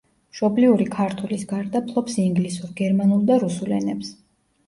მშობლიური ქართულის გარდა ფლობს ინგლისურ, გერმანულ და რუსულ ენებს.